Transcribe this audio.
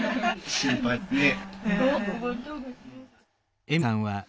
心配ねっ。